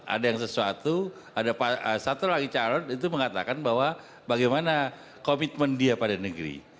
ada yang sesuatu ada satu lagi calon itu mengatakan bahwa bagaimana komitmen dia pada negeri